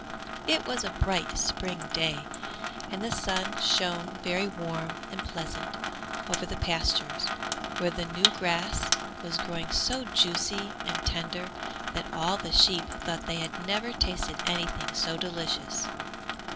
IT was a bright spring day, and the sun shone very warm and pleasant over the pastures, where the new grass was growing so juicy and tender that all the sheep thought they had never tasted anything so delicious.